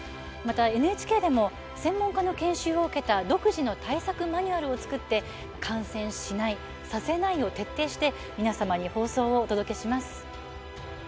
またＮＨＫでも専門家の監修を受けた独自の対策マニュアルを作って感染しない、させないを徹底して皆様に放送をお届けします。